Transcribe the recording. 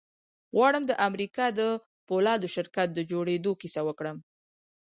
غواړم د امريکا د پولادو شرکت د جوړېدو کيسه وکړم.